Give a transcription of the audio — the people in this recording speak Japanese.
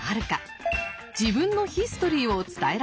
自分のヒストリーを伝えられているか。